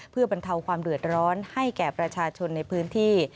เพื่อบรรเทาความเดือดร้อนให้แก่ประชาชนในพื้นที่